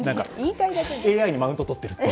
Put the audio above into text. ＡＩにマウントとってるっていう。